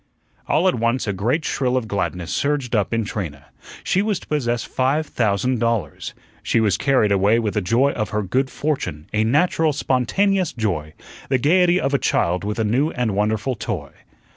All at once a great shrill of gladness surged up in Trina. She was to possess five thousand dollars. She was carried away with the joy of her good fortune, a natural, spontaneous joy the gaiety of a child with a new and wonderful toy.